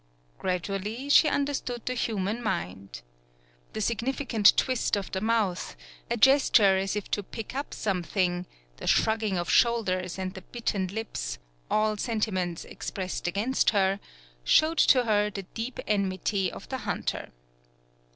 Gradually, she understood the human 121 PAULOWNIA mind. The significant twist of the mouth, a gesture as if to pick up some thing, the shrugging of shoulders and the bitten lips all sentiments expressed against her showed to her the deep enmity of the hunter.